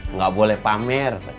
nggak boleh pamer